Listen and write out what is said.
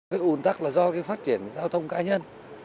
cái ủn tắc là do cái phát triển giao thông cá nhân